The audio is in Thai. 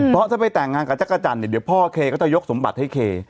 เพราะถ้าไปแต่งงานกับจักรจันทร์เนี่ยเดี๋ยวพ่อเคก็จะยกสมบัติให้เค